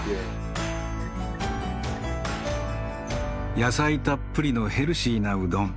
野菜たっぷりのヘルシーなうどん。